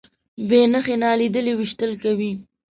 بې نښې نالیدلي ویشتل کوي.